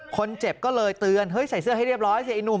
คนเจ็บก็เลยเตือนเฮ้ยใส่เสื้อให้เรียบร้อยสิไอ้หนุ่ม